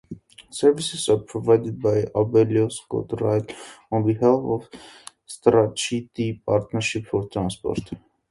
Services are provided by Abellio ScotRail on behalf of Strathclyde Partnership for Transport.